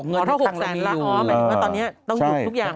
อ๋อหมายถึงว่าตอนนี้ต้องยุบทุกอย่าง